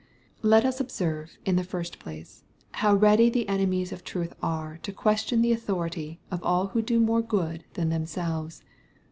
Let us observe, in the first place, how ready the enemies of troth are to question the authority of all who do more good than themselves.